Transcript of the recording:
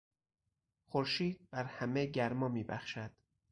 خورشید بر همه گرما میبخشد.